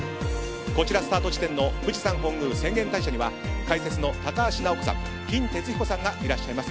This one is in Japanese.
こちら、スタート地点の富士山本宮浅間大社では解説の高橋尚子さん金哲彦さんがいらっしゃいます。